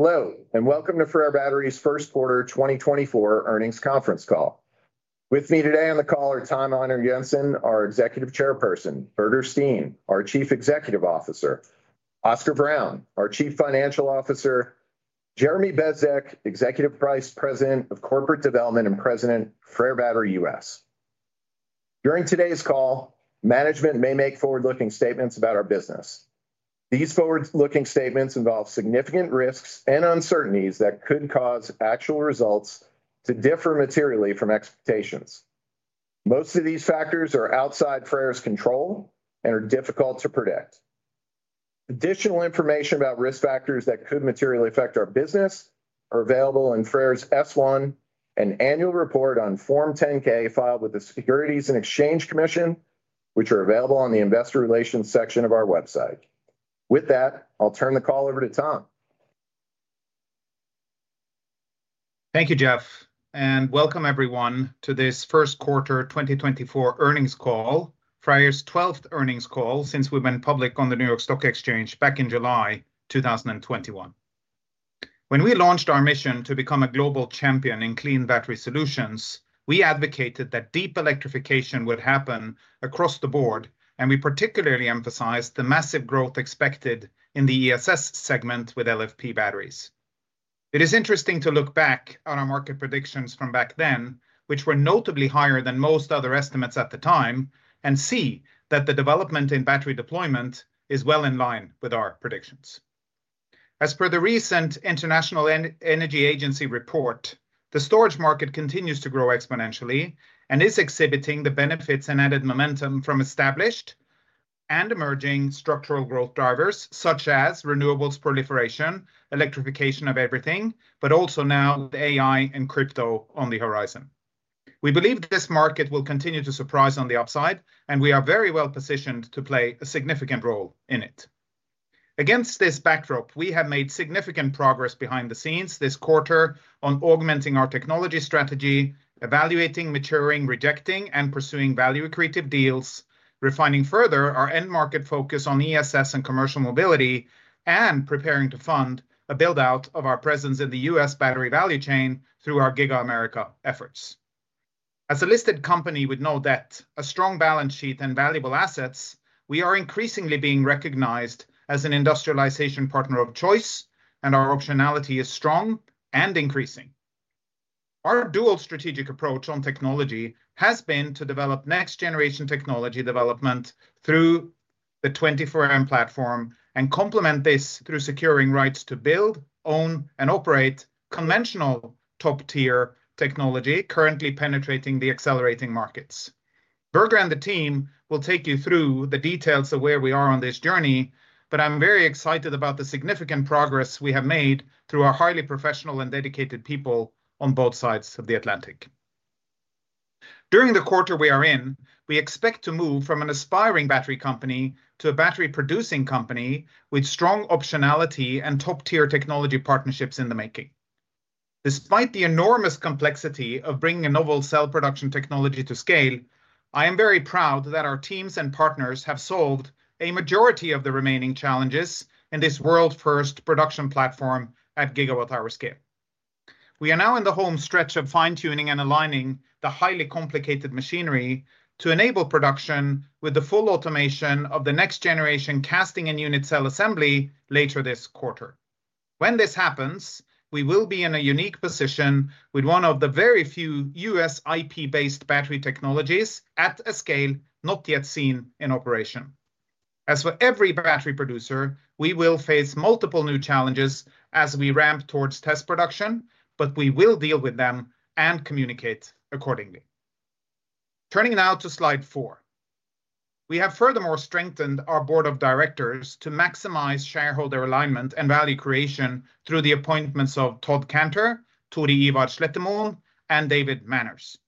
Hello and welcome to FREYR Battery's first quarter 2024 earnings conference call. With me today on the call are Tom Einar Jensen, our Executive Chairperson; Birger Steen, our Chief Executive Officer; Oscar Brown, our Chief Financial Officer; Jeremy Bezdek, Executive Vice President of Corporate Development and President of FREYR Battery U.S. During today's call, management may make forward-looking statements about our business. These forward-looking statements involve significant risks and uncertainties that could cause actual results to differ materially from expectations. Most of these factors are outside FREYR's control and are difficult to predict. Additional information about risk factors that could materially affect our business is available in FREYR's S-1 and annual report on Form 10-K filed with the Securities and Exchange Commission, which are available on the Investor Relations section of our website. With that, I'll turn the call over to Tom. Thank you, Jeff, and welcome everyone to this first quarter 2024 earnings call, FREYR's 12th earnings call since we've been public on the New York Stock Exchange back in July 2021. When we launched our mission to become a global champion in clean battery solutions, we advocated that deep electrification would happen across the board, and we particularly emphasized the massive growth expected in the ESS segment with LFP batteries. It is interesting to look back on our market predictions from back then, which were notably higher than most other estimates at the time, and see that the development in battery deployment is well in line with our predictions. As per the recent International Energy Agency report, the storage market continues to grow exponentially and is exhibiting the benefits and added momentum from established and emerging structural growth drivers such as renewables proliferation, electrification of everything, but also now the AI and crypto on the horizon. We believe this market will continue to surprise on the upside, and we are very well positioned to play a significant role in it. Against this backdrop, we have made significant progress behind the scenes this quarter on augmenting our technology strategy, evaluating, maturing, rejecting, and pursuing value-creative deals, refining further our end-market focus on ESS and commercial mobility, and preparing to fund a build-out of our presence in the U.S. battery value chain through our Giga America efforts. As a listed company with no debt, a strong balance sheet, and valuable assets, we are increasingly being recognized as an industrialization partner of choice, and our optionality is strong and increasing. Our dual strategic approach on technology has been to develop next-generation technology development through the 24M platform and complement this through securing rights to build, own, and operate conventional top-tier technology currently penetrating the accelerating markets. Birger and the team will take you through the details of where we are on this journey, but I'm very excited about the significant progress we have made through our highly professional and dedicated people on both sides of the Atlantic. During the quarter we are in, we expect to move from an aspiring battery company to a battery-producing company with strong optionality and top-tier technology partnerships in the making. Despite the enormous complexity of bringing a novel cell production technology to scale, I am very proud that our teams and partners have solved a majority of the remaining challenges in this world-first production platform at gigawatt-hour scale. We are now in the home stretch of fine-tuning and aligning the highly complicated machinery to enable production with the full automation of the next-generation casting and unit cell assembly later this quarter. When this happens, we will be in a unique position with one of the very few U.S. IP-based battery technologies at a scale not yet seen in operation. As for every battery producer, we will face multiple new challenges as we ramp towards test production, but we will deal with them and communicate accordingly. Turning now to slide four. We have furthermore strengthened our board of directors to maximize shareholder alignment and value creation through the appointments of Todd Kantor, Tore Ivar Slettemoen, and David Manners.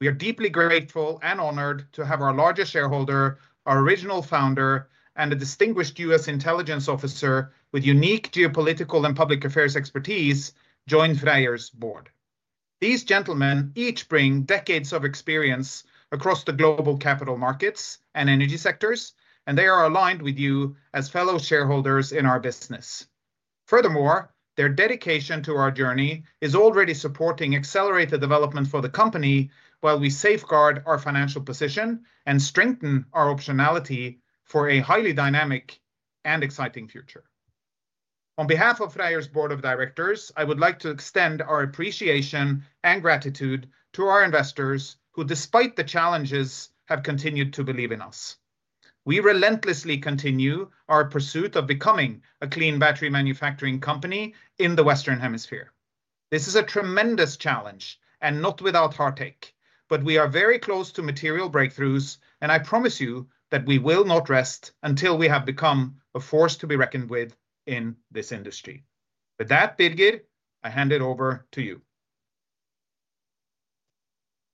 We are deeply grateful and honored to have our largest shareholder, our original founder, and a distinguished U.S. intelligence officer with unique geopolitical and public affairs expertise join FREYR Battery's board. These gentlemen each bring decades of experience across the global capital markets and energy sectors, and they are aligned with you as fellow shareholders in our business. Furthermore, their dedication to our journey is already supporting accelerated development for the company while we safeguard our financial position and strengthen our optionality for a highly dynamic and exciting future. On behalf of FREYR Battery's board of directors, I would like to extend our appreciation and gratitude to our investors who, despite the challenges, have continued to believe in us. We relentlessly continue our pursuit of becoming a clean battery manufacturing company in the Western Hemisphere. This is a tremendous challenge and not without heartache, but we are very close to material breakthroughs, and I promise you that we will not rest until we have become a force to be reckoned with in this industry. With that, Birger, I hand it over to you.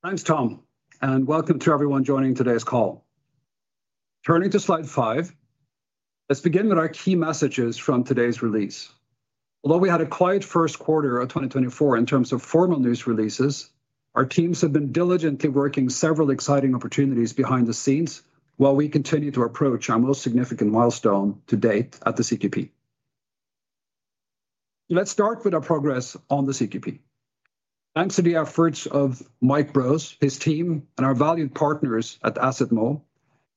Thanks, Tom, and welcome to everyone joining today's call. Turning to slide five. Let's begin with our key messages from today's release. Although we had a quiet first quarter of 2024 in terms of formal news releases, our teams have been diligently working several exciting opportunities behind the scenes while we continue to approach our most significant milestone to date at the CQP. Let's start with our progress on the CQP. Thanks to the efforts of Mike Brose, his team, and our valued partners at Muehlbauer,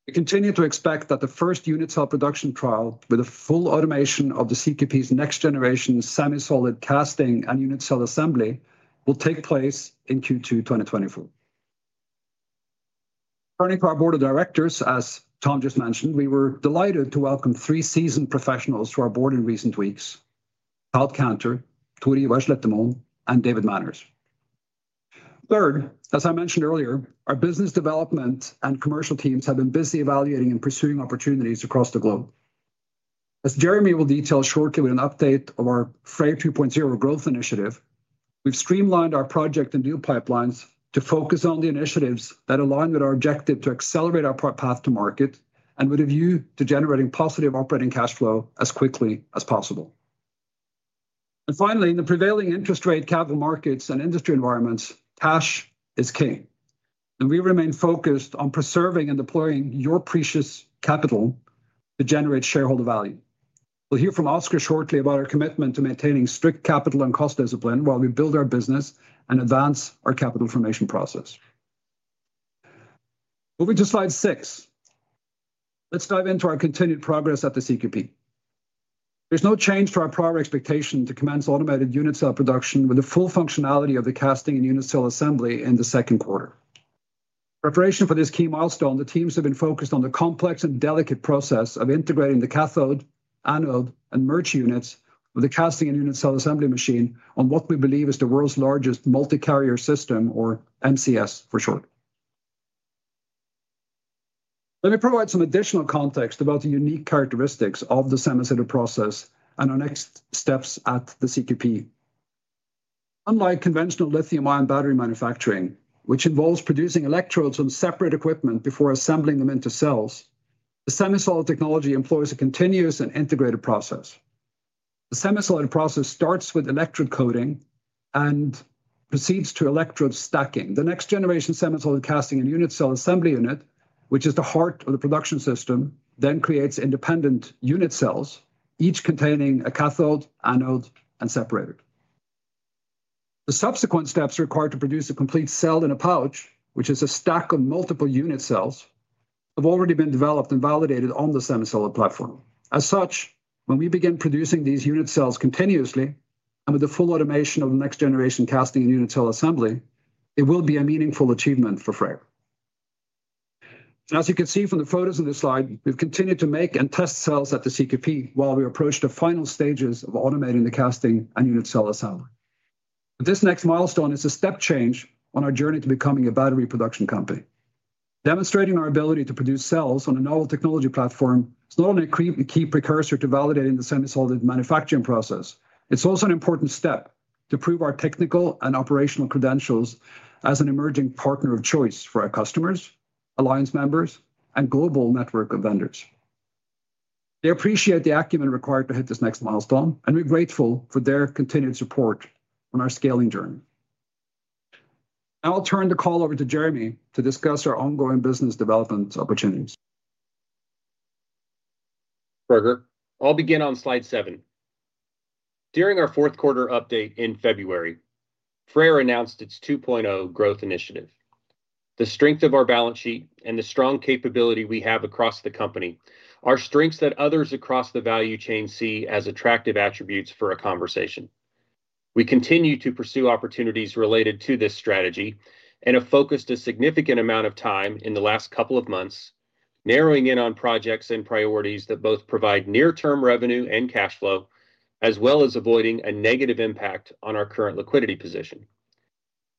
we continue to expect that the first unit cell production trial with a full automation of the CQP's next-generation semi-solid casting and unit cell assembly will take place in Q2 2024. Turning to our board of directors, as Tom just mentioned, we were delighted to welcome three seasoned professionals to our board in recent weeks: Todd Kantor, Tore Ivar Slettemoen, and David Manners. Third, as I mentioned earlier, our business development and commercial teams have been busy evaluating and pursuing opportunities across the globe. As Jeremy will detail shortly with an update of our FREYR 2.0 growth initiative, we've streamlined our project and deal pipelines to focus on the initiatives that align with our objective to accelerate our path to market and with a view to generating positive operating cash flow as quickly as possible. And finally, in the prevailing interest rate capital markets and industry environments, cash is key, and we remain focused on preserving and deploying your precious capital to generate shareholder value. We'll hear from Oscar shortly about our commitment to maintaining strict capital and cost discipline while we build our business and advance our capital formation process. Moving to slide six. Let's dive into our continued progress at the CQP. There's no change to our prior expectation to commence automated unit cell production with the full functionality of the casting and unit cell assembly in the second quarter. In preparation for this key milestone, the teams have been focused on the complex and delicate process of integrating the cathode, anode, and merge units with the casting and unit cell assembly machine on what we believe is the world's largest multi-carrier system, or MCS for short. Let me provide some additional context about the unique characteristics of the semi-solid process and our next steps at the CQP. Unlike conventional lithium-ion battery manufacturing, which involves producing electrodes on separate equipment before assembling them into cells, the semi-solid technology employs a continuous and integrated process. The semi-solid process starts with electrode coating and proceeds to electrode stacking. The next-generation semi-solid casting and unit cell assembly unit, which is the heart of the production system, then creates independent unit cells, each containing a cathode, anode, and separator. The subsequent steps required to produce a complete cell in a pouch, which is a stack of multiple unit cells, have already been developed and validated on the semi-solid platform. As such, when we begin producing these unit cells continuously and with the full automation of the next-generation casting and unit cell assembly, it will be a meaningful achievement for FREYR. And as you can see from the photos in this slide, we've continued to make and test cells at the CQP while we approach the final stages of automating the casting and unit cell assembly. This next milestone is a step change on our journey to becoming a battery production company. Demonstrating our ability to produce cells on a novel technology platform is not only a key precursor to validating the semi-solid manufacturing process, it's also an important step to prove our technical and operational credentials as an emerging partner of choice for our customers, alliance members, and global network of vendors. They appreciate the acumen required to hit this next milestone, and we're grateful for their continued support on our scaling journey. Now I'll turn the call over to Jeremy to discuss our ongoing business development opportunities. Roger. I'll begin on slide seven. During our fourth quarter update in February, FREYR announced its 2.0 growth initiative. The strength of our balance sheet and the strong capability we have across the company are strengths that others across the value chain see as attractive attributes for a conversation. We continue to pursue opportunities related to this strategy and have focused a significant amount of time in the last couple of months, narrowing in on projects and priorities that both provide near-term revenue and cash flow, as well as avoiding a negative impact on our current liquidity position.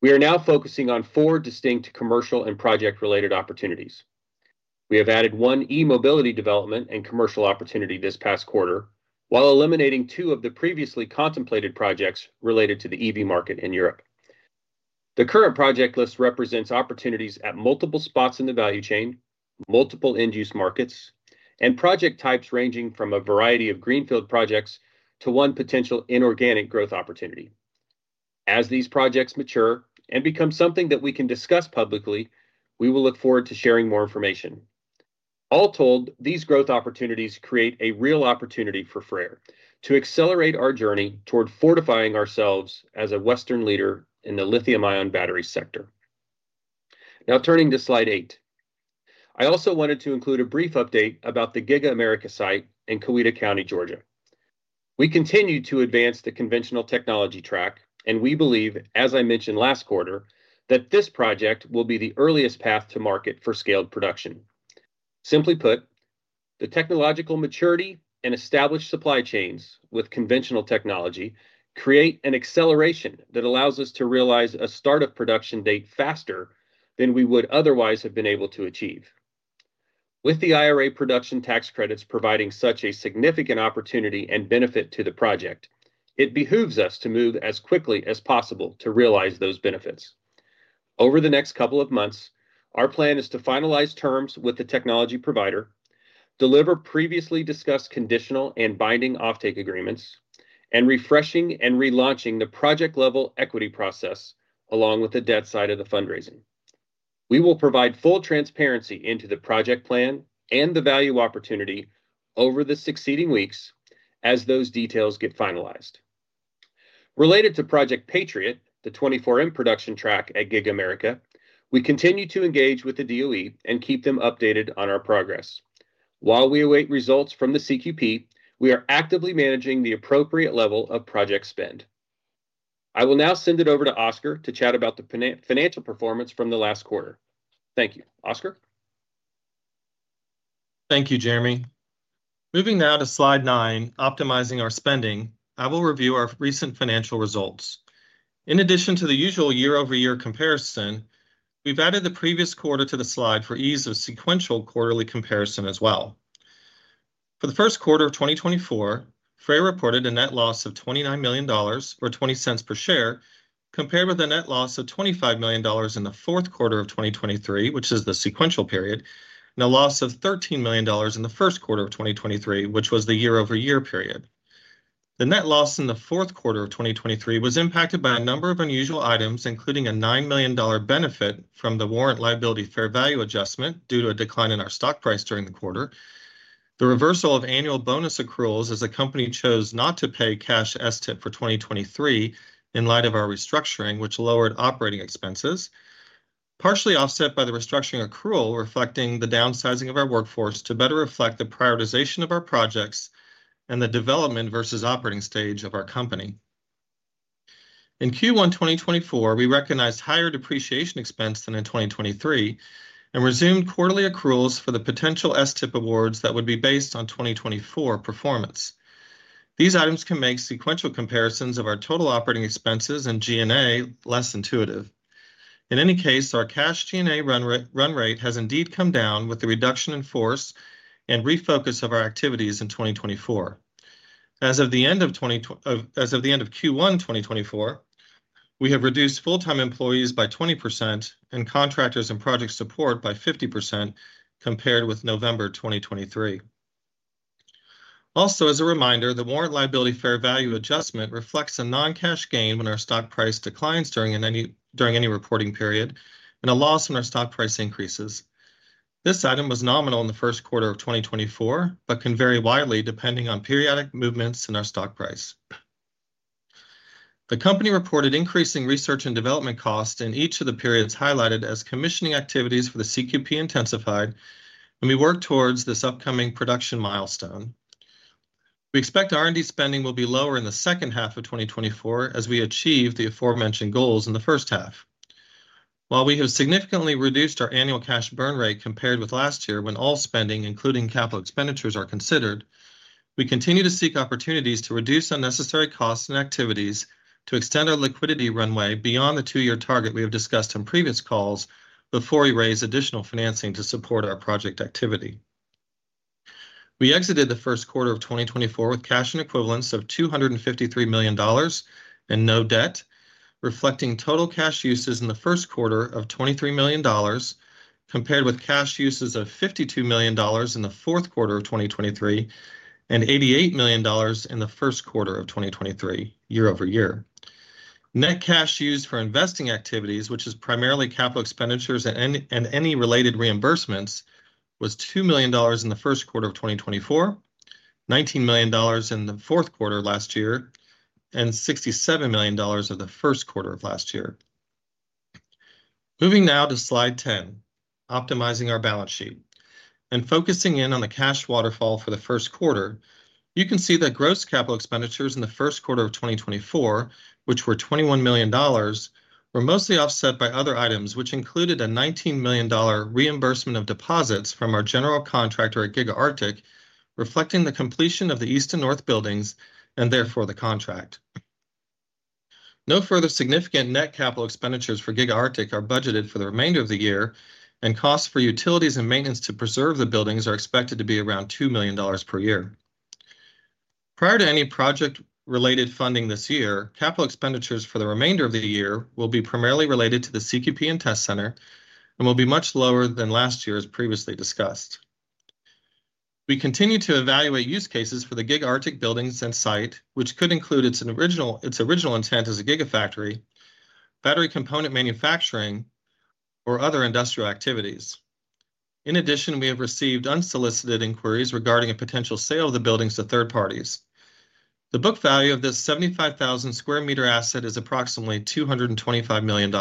We are now focusing on four distinct commercial and project-related opportunities. We have added one e-mobility development and commercial opportunity this past quarter while eliminating two of the previously contemplated projects related to the EV market in Europe. The current project list represents opportunities at multiple spots in the value chain, multiple end-use markets, and project types ranging from a variety of greenfield projects to one potential inorganic growth opportunity. As these projects mature and become something that we can discuss publicly, we will look forward to sharing more information. All told, these growth opportunities create a real opportunity for FREYR to accelerate our journey toward fortifying ourselves as a Western leader in the lithium-ion battery sector. Now turning to slide eight. I also wanted to include a brief update about the Giga America site in Coweta County, Georgia. We continue to advance the conventional technology track, and we believe, as I mentioned last quarter, that this project will be the earliest path to market for scaled production. Simply put, the technological maturity and established supply chains with conventional technology create an acceleration that allows us to realize a start-up production date faster than we would otherwise have been able to achieve. With the IRA production tax credits providing such a significant opportunity and benefit to the project, it behooves us to move as quickly as possible to realize those benefits. Over the next couple of months, our plan is to finalize terms with the technology provider, deliver previously discussed conditional and binding offtake agreements, and refreshing and relaunching the project-level equity process along with the debt side of the fundraising. We will provide full transparency into the project plan and the value opportunity over the succeeding weeks as those details get finalized. Related to Project Patriot, the 24M production track at Giga America, we continue to engage with the DOE and keep them updated on our progress. While we await results from the CQP, we are actively managing the appropriate level of project spend. I will now send it over to Oscar to chat about the financial performance from the last quarter. Thank you. Oscar? Thank you, Jeremy. Moving now to slide nine, optimizing our spending, I will review our recent financial results. In addition to the usual year-over-year comparison, we've added the previous quarter to the slide for ease of sequential quarterly comparison as well. For the first quarter of 2024, FREYR reported a net loss of $29 million or $0.20 per share compared with a net loss of $25 million in the fourth quarter of 2023, which is the sequential period, and a loss of $13 million in the first quarter of 2023, which was the year-over-year period. The net loss in the fourth quarter of 2023 was impacted by a number of unusual items, including a $9 million benefit from the warrant liability fair value adjustment due to a decline in our stock price during the quarter, the reversal of annual bonus accruals as the company chose not to pay cash bonuses for 2023 in light of our restructuring, which lowered operating expenses, partially offset by the restructuring accrual reflecting the downsizing of our workforce to better reflect the prioritization of our projects and the development versus operating stage of our company. In Q1 2024, we recognized higher depreciation expense than in 2023 and resumed quarterly accruals for the potential bonus awards that would be based on 2024 performance. These items can make sequential comparisons of our total operating expenses and G&A less intuitive. In any case, our cash G&A run rate has indeed come down with the reduction in force and refocus of our activities in 2024. As of the end of Q1 2024, we have reduced full-time employees by 20% and contractors and project support by 50% compared with November 2023. Also, as a reminder, the warrant liability fair value adjustment reflects a non-cash gain when our stock price declines during any reporting period and a loss when our stock price increases. This item was nominal in the first quarter of 2024 but can vary widely depending on periodic movements in our stock price. The company reported increasing research and development costs in each of the periods highlighted as commissioning activities for the CQP intensified when we work towards this upcoming production milestone. We expect R&D spending will be lower in the second half of 2024 as we achieve the aforementioned goals in the first half. While we have significantly reduced our annual cash burn rate compared with last year when all spending, including capital expenditures, are considered, we continue to seek opportunities to reduce unnecessary costs and activities to extend our liquidity runway beyond the two-year target we have discussed in previous calls before we raise additional financing to support our project activity. We exited the first quarter of 2024 with cash and equivalents of $253 million and no debt, reflecting total cash uses in the first quarter of $23 million compared with cash uses of $52 million in the fourth quarter of 2023 and $88 million in the first quarter of 2023, year-over-year. Net cash used for investing activities, which is primarily capital expenditures and any related reimbursements, was $2 million in the first quarter of 2024, $19 million in the fourth quarter last year, and $67 million of the first quarter of last year. Moving now to slide 10, optimizing our balance sheet and focusing in on the cash waterfall for the first quarter, you can see that gross capital expenditures in the first quarter of 2024, which were $21 million, were mostly offset by other items, which included a $19 million reimbursement of deposits from our general contractor at Giga Arctic, reflecting the completion of the east and north buildings and therefore the contract. No further significant net capital expenditures for Giga Arctic are budgeted for the remainder of the year, and costs for utilities and maintenance to preserve the buildings are expected to be around $2 million per year. Prior to any project-related funding this year, capital expenditures for the remainder of the year will be primarily related to the CQP and test center and will be much lower than last year as previously discussed. We continue to evaluate use cases for the Giga Arctic buildings and site, which could include its original intent as a gigafactory, battery component manufacturing, or other industrial activities. In addition, we have received unsolicited inquiries regarding a potential sale of the buildings to third parties. The book value of this 75,000 sq m asset is approximately $225 million.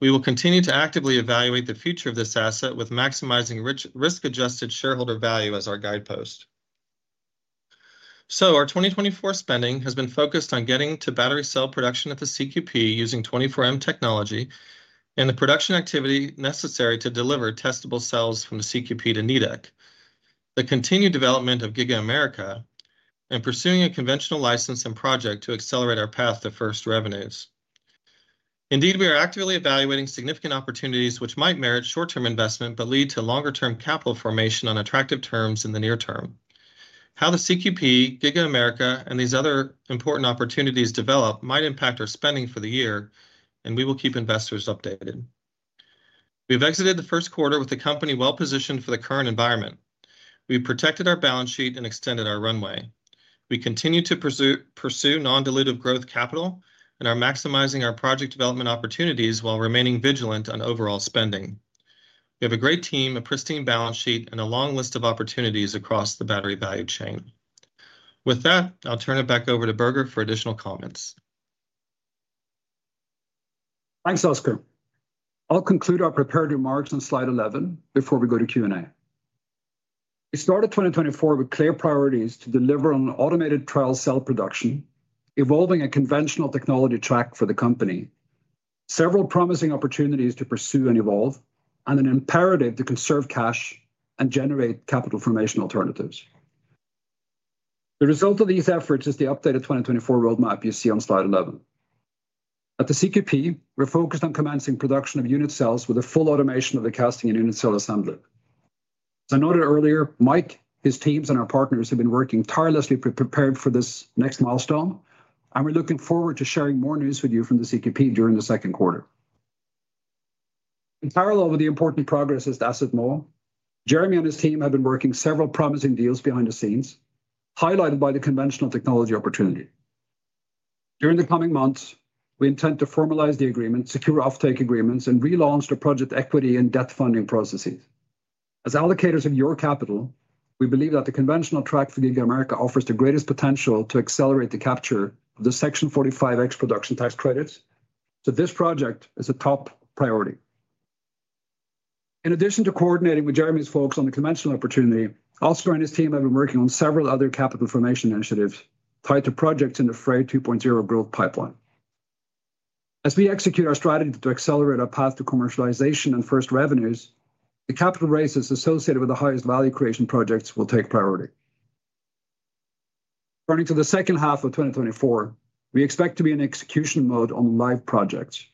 We will continue to actively evaluate the future of this asset with maximizing risk-adjusted shareholder value as our guidepost. Our 2024 spending has been focused on getting to battery cell production at the CQP using 24M technology and the production activity necessary to deliver testable cells from the CQP to Nidec, the continued development of Giga America, and pursuing a conventional license and project to accelerate our path to first revenues. Indeed, we are actively evaluating significant opportunities which might merit short-term investment but lead to longer-term capital formation on attractive terms in the near term. How the CQP, Giga America, and these other important opportunities develop might impact our spending for the year, and we will keep investors updated. We have exited the first quarter with the company well positioned for the current environment. We protected our balance sheet and extended our runway. We continue to pursue non-dilutive growth capital and are maximizing our project development opportunities while remaining vigilant on overall spending. We have a great team, a pristine balance sheet, and a long list of opportunities across the battery value chain. With that, I'll turn it back over to Birger for additional comments. Thanks, Oscar. I'll conclude our prepared remarks on slide 11 before we go to Q&A. We started 2024 with clear priorities to deliver on automated trial cell production, evolving a conventional technology track for the company, several promising opportunities to pursue and evolve, and an imperative to conserve cash and generate capital formation alternatives. The result of these efforts is the updated 2024 roadmap you see on slide 11. At the CQP, we're focused on commencing production of unit cells with the full automation of the casting and unit cell assembly. As I noted earlier, Mike, his teams, and our partners have been working tirelessly prepared for this next milestone, and we're looking forward to sharing more news with you from the CQP during the second quarter. In parallel with the important progress as to Asset Mo, Jeremy and his team have been working several promising deals behind the scenes, highlighted by the conventional technology opportunity. During the coming months, we intend to formalize the agreement, secure offtake agreements, and relaunch the project equity and debt funding processes. As allocators of your capital, we believe that the conventional track for Giga America offers the greatest potential to accelerate the capture of the Section 45X production tax credits, so this project is a top priority. In addition to coordinating with Jeremy's folks on the conventional opportunity, Oscar and his team have been working on several other capital formation initiatives tied to projects in the FREYR 2.0 growth pipeline. As we execute our strategy to accelerate our path to commercialization and first revenues, the capital raises associated with the highest value creation projects will take priority. Turning to the second half of 2024, we expect to be in execution mode on live projects.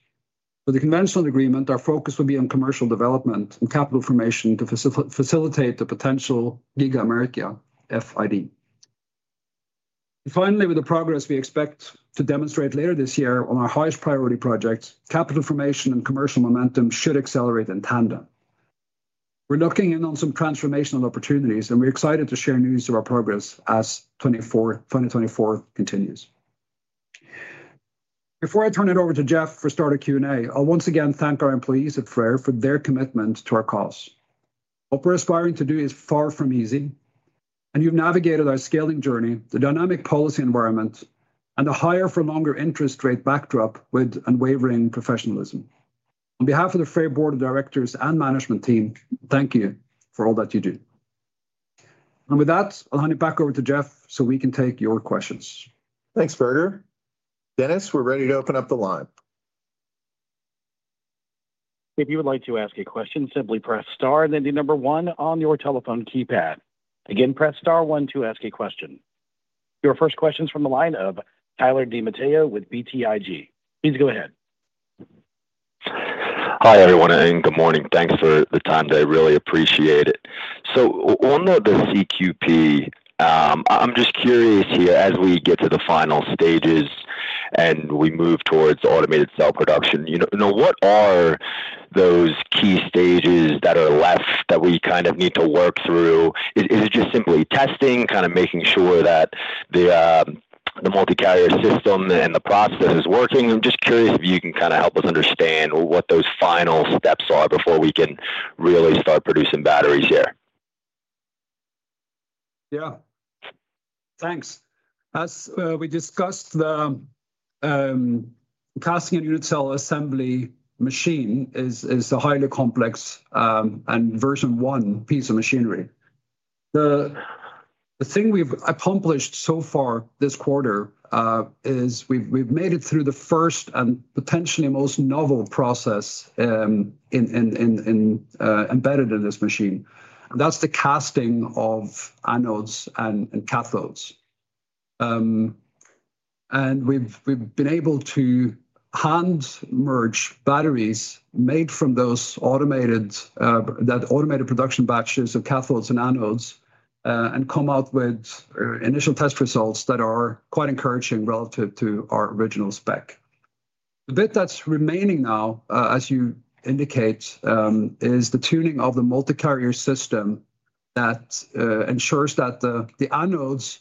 For the conventional agreement, our focus will be on commercial development and capital formation to facilitate the potential Giga America FID. Finally, with the progress we expect to demonstrate later this year on our highest priority projects, capital formation and commercial momentum should accelerate in tandem. We're looking in on some transformational opportunities, and we're excited to share news of our progress as 2024 continues. Before I turn it over to Jeff for starter Q&A, I'll once again thank our employees at FREYR for their commitment to our cause. What we're aspiring to do is far from easy, and you've navigated our scaling journey, the dynamic policy environment, and the higher-for-longer interest rate backdrop with unwavering professionalism. On behalf of the FREYR board of directors and management team, thank you for all that you do. With that, I'll hand it back over to Jeff so we can take your questions. Thanks, Birger. Dennis, we're ready to open up the line. If you would like to ask a question, simply press star and enter number one on your telephone keypad. Again, press star one to ask a question. Your first question is from the line of Tyler DiMatteo with BTIG. Please go ahead. Hi everyone and good morning. Thanks for the time today. Really appreciate it. So on the CQP, I'm just curious here, as we get to the final stages and we move towards automated cell production, what are those key stages that are left that we kind of need to work through? Is it just simply testing, kind of making sure that the multi-carrier system and the process is working? I'm just curious if you can kind of help us understand what those final steps are before we can really start producing batteries here. Yeah. Thanks. As we discussed, the Casting and Unit Cell Assembly machine is a highly complex and version one piece of machinery. The thing we've accomplished so far this quarter is we've made it through the first and potentially most novel process embedded in this machine. That's the casting of anodes and cathodes. We've been able to hand-merge batteries made from those automated production batches of cathodes and anodes and come out with initial test results that are quite encouraging relative to our original spec. The bit that's remaining now, as you indicate, is the tuning of the Multi-Carrier System that ensures that the anodes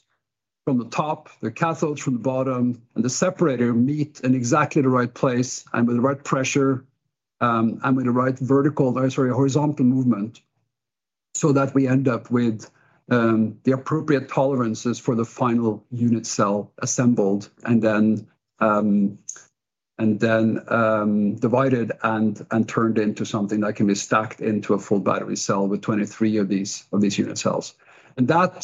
from the top, the cathodes from the bottom, and the separator meet in exactly the right place and with the right pressure and with the right vertical, sorry, horizontal movement so that we end up with the appropriate tolerances for the final unit cell assembled and then divided and turned into something that can be stacked into a full battery cell with 23 of these unit cells. That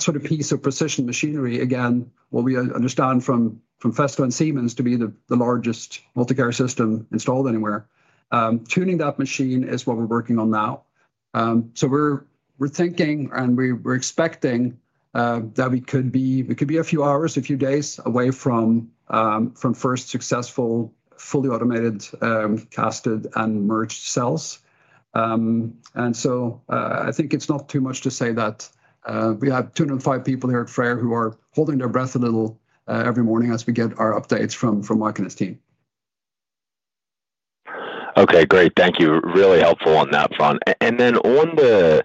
sort of piece of precision machinery, again, what we understand from Festo and Siemens to be the largest Multi-Carrier System installed anywhere, tuning that machine is what we're working on now. So we're thinking and we're expecting that we could be a few hours, a few days away from first successful fully automated cast and merged cells. And so I think it's not too much to say that we have 205 people here at FREYR who are holding their breath a little every morning as we get our updates from Mike and his team. Okay, great. Thank you. Really helpful on that front. And then on the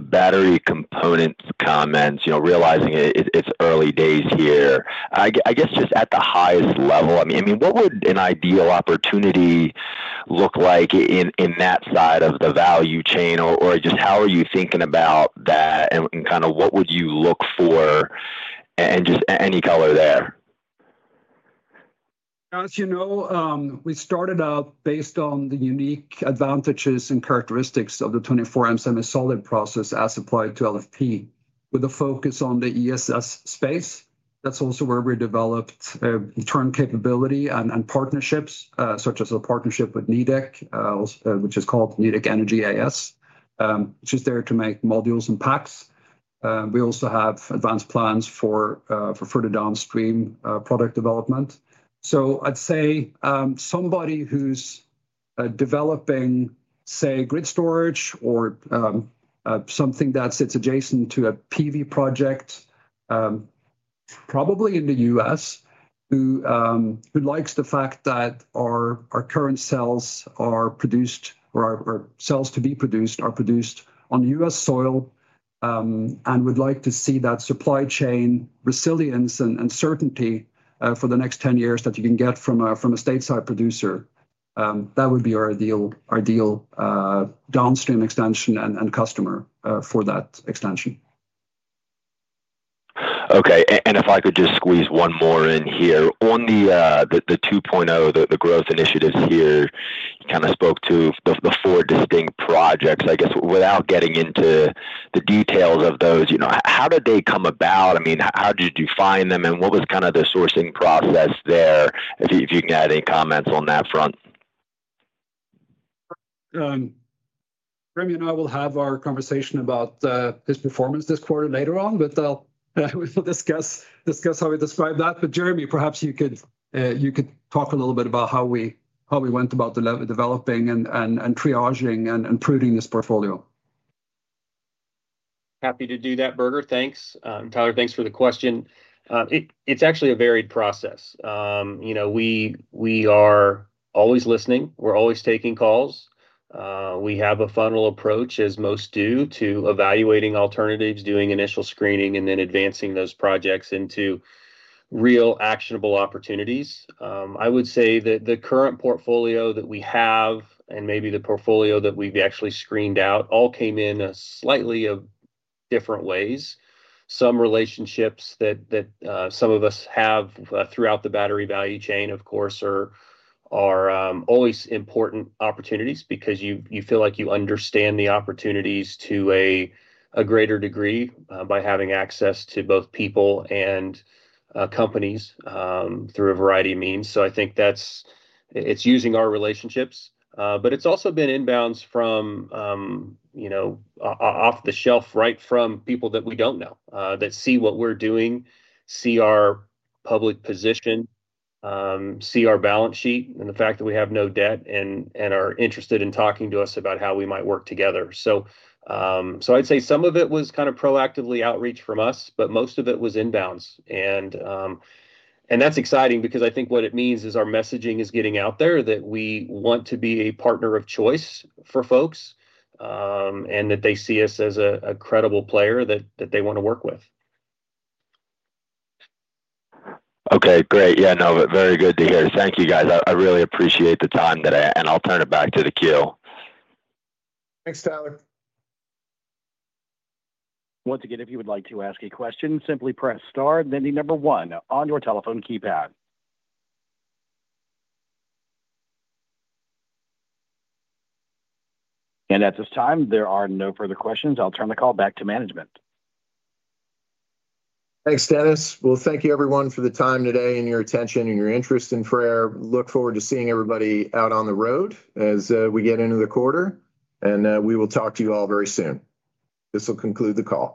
battery components comments, realizing it's early days here, I guess just at the highest level, I mean, what would an ideal opportunity look like in that side of the value chain? Or just how are you thinking about that and kind of what would you look for and just any color there? As you know, we started out based on the unique advantages and characteristics of the 24M semi-solid process as applied to LFP with a focus on the ESS space. That's also where we developed internal capability and partnerships such as a partnership with Nidec, which is called Nidec Energy AS, which is there to make modules and packs. We also have advanced plans for further downstream product development. So I'd say somebody who's developing, say, grid storage or something that sits adjacent to a PV project, probably in the U.S., who likes the fact that our current cells are produced or cells to be produced are produced on U.S. soil and would like to see that supply chain resilience and certainty for the next 10 years that you can get from a stateside producer, that would be our ideal downstream extension and customer for that extension. Okay. And if I could just squeeze one more in here. On the 2.0, the growth initiatives here, you kind of spoke to the four distinct projects. I guess without getting into the details of those, how did they come about? I mean, how did you define them and what was kind of the sourcing process there? If you can add any comments on that front. Remy and I will have our conversation about his performance this quarter later on, but we'll discuss how we describe that. Jeremy, perhaps you could talk a little bit about how we went about developing and triaging and pruning this portfolio. Happy to do that, Birger. Thanks. Tyler, thanks for the question. It's actually a varied process. We are always listening. We're always taking calls. We have a funnel approach, as most do, to evaluating alternatives, doing initial screening, and then advancing those projects into real actionable opportunities. I would say that the current portfolio that we have and maybe the portfolio that we've actually screened out all came in slightly different ways. Some relationships that some of us have throughout the battery value chain, of course, are always important opportunities because you feel like you understand the opportunities to a greater degree by having access to both people and companies through a variety of means. So I think it's using our relationships. But it's also been inbounds from off-the-shelf, right from people that we don't know, that see what we're doing, see our public position, see our balance sheet, and the fact that we have no debt and are interested in talking to us about how we might work together. So I'd say some of it was kind of proactively outreach from us, but most of it was inbounds. And that's exciting because I think what it means is our messaging is getting out there that we want to be a partner of choice for folks and that they see us as a credible player that they want to work with. Okay, great. Yeah, no, very good to hear. Thank you, guys. I really appreciate the time today. I'll turn it back to the queue. Thanks, Tyler. Once again, if you would like to ask a question, simply press star, then enter number 1 on your telephone keypad. At this time, there are no further questions. I'll turn the call back to management. Thanks, Dennis. Well, thank you, everyone, for the time today and your attention and your interest in FREYR. Look forward to seeing everybody out on the road as we get into the quarter. We will talk to you all very soon. This will conclude the call.